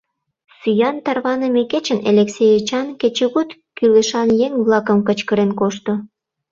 Сӱан тарваныме кечын Элексей Эчан кечыгут кӱлешан еҥ-влакым кычкырен кошто.